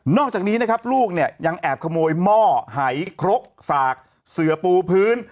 อกจากนี้นะครับลูกเนี่ยยังแอบขโมยหม้อหายครกสากเสือปูพื้น